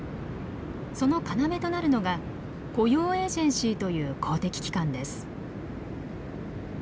その要となるのが雇用エージェンシーという公的機関です。